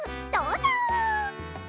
どうぞ！